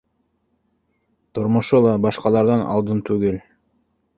Тормошо ла башҡаларҙан алдын түгел